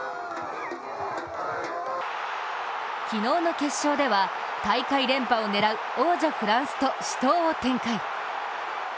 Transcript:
昨日の決勝では、大会連覇を狙う王者フランスと死闘を展開。